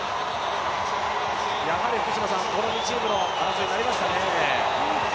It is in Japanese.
やはりこの２チームの争いになりましたね。